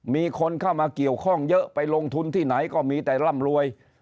มีคนเข้ามาเกี่ยวข้องเยอะไปลงทุนที่ไหนก็มีแต่ร่ำรวย